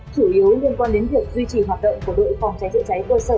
chủ yếu liên quan đến việc duy trì hoạt động của đội phòng cháy chữa cháy cơ sở